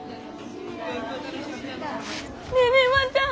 ねえねえ万ちゃん